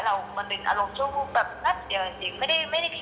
เรามันซาสมาทีเดี๋ยวหมดเดินอะไรเงี้ยมันก็เลยดูเยอะมากอะ